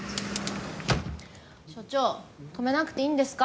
所長止めなくていいんですか？